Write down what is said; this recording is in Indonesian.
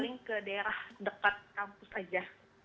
paling ke daerah dekat kampus saja